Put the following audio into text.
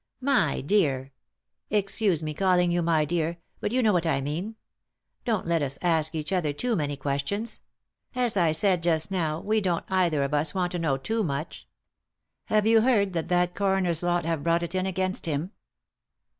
" My dear — excuse me calling you my dear, but you know what I mean — don't let us ask each other too many questions ; as I said just now, we don't either of us want to .know too much. Have you heard that that coroner's lot have brought it in against him